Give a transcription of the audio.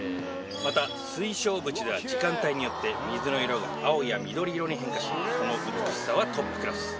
また水晶淵では時間帯によって水の色が青や緑色に変化しその美しさはトップクラス。